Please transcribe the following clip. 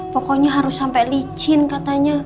pokoknya harus sampai licin katanya